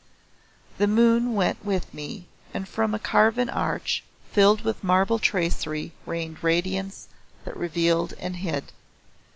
The moon went with me and from a carven arch filled with marble tracery rained radiance that revealed and hid.